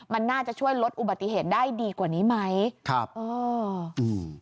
มันน่าจะช่วยลดอุบัติเหตุได้ดีกว่านี้ไหมครับอ๋ออืม